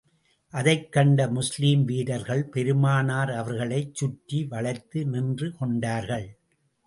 அதைக் கண்ட முஸ்லிம் வீரர்கள் பெருமானார் அவர்களைச் சுற்றி வளைத்து நின்று கொண்டார்கள்.